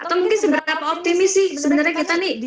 atau mungkin seberapa optimis sih sebenarnya kita nih